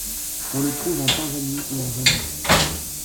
On le trouve en Tanzanie et en Zambie.